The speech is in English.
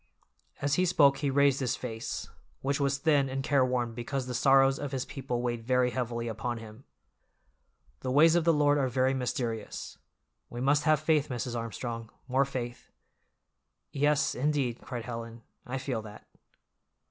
As he spoke he raised his face, which was thin and careworn because the sorrows of his people weighed very heavily upon him. "The ways of the Lord are very mysterious. We must have faith, Mrs. Armstrong, more faith." "Yes, indeed," cried Helen, "I feel that."